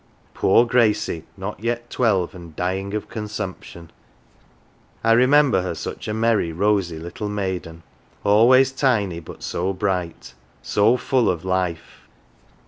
Poor Gracie, not yet twelve, and dying of consumption ! I remember her such a merry rosy little maiden, always tiny, but so bright, so full of life.